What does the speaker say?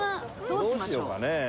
どうしようかね？